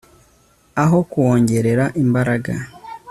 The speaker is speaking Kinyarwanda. aho kuwongerera imbaraga